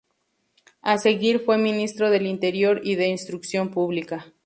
A seguir fue ministro del Interior y de Instrucción Pública.